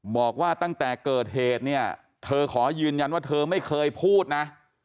บอกว่าตั้งแต่เกิดเหตุเนี่ยเธอขอยืนยันว่าเธอไม่เคยพูดนะ